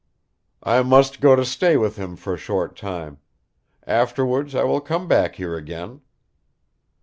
"I must go to stay with him for a short time. Afterwards I will come back here again."